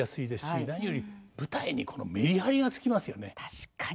確かに。